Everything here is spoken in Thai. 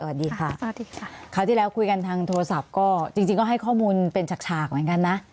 สวัสดีค่ะคราวที่แล้วคุยกันทางโทรศัพท์ก็จริงก็ให้ข้อมูลเป็นฉากเหมือนกันนะ